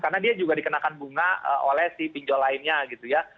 karena dia juga dikenakan bunga oleh si pinjol lainnya gitu ya